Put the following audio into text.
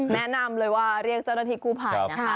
แนะนำเลยว่าเรียกเจ้าหน้าที่กู้ภัยนะคะ